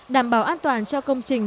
đảm bảo an toàn cho công trình